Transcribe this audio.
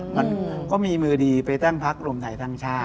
มันก็มีมือดีไปตั้งพักรวมไทยสร้างชาติ